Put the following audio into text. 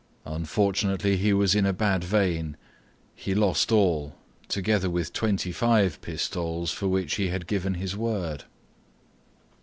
Unfortunately he was in a bad vein; he lost all, together with twenty five pistoles for which he had given his word.